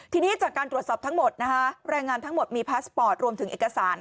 ทีนี้จากการตรวจสอบทั้งหมดนะคะแรงงานทั้งหมดมีพาสปอร์ตรวมถึงเอกสาร